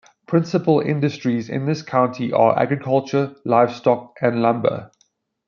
Principal industries in this county are agriculture, livestock, and lumber.